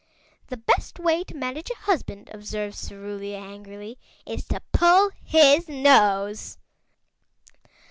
"The best way to manage a husband," observed Cerulia angrily, "is to pull his nose."